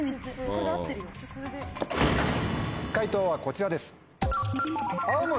解答はこちらです。